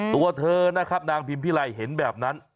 ตัวเธอนะครับนางพิมพิไลเห็นแบบนั้น